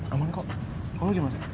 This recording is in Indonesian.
aman kok kalau gimanya